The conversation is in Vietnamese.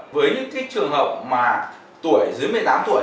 với những trường hợp mà tuổi dưới một mươi tám tuổi